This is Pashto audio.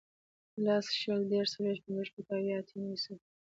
لس, شل, دېرش, څلوېښت, پنځوس, شپېته, اویا, اتیا, نوي, سل